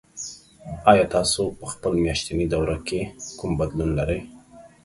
ایا تاسو په خپل میاشتني دوره کې کوم بدلون لرئ؟